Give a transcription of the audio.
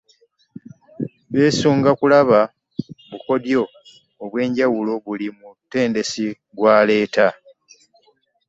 Besunga okulaba obukodyo ebwenjawulo buli mutendesi bw'aleeta.